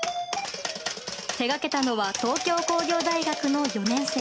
手がけたのは東京工業大学の４年生。